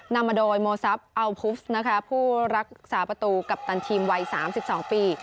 นำมาโดยโมซับอัลพุฟผู้รักษาประตูกัปตันทีมวัยสามสิบสองปี